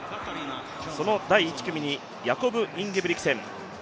その第１組にヤコブ・インゲブリクセン。